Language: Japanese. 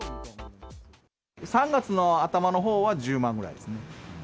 ３月の頭のほうは１０万ぐらいですね。